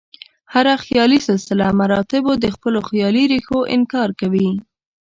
هر خیالي سلسله مراتبو د خپلو خیالي ریښو انکار کوي.